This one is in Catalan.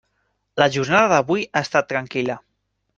La jornada d'avui ha estat tranquil·la.